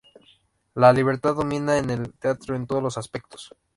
La libertad domina en el teatro en todos los aspectos.